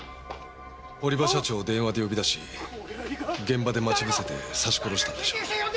堀場社長を電話で呼び出し現場で待ち伏せて刺し殺したんでしょう。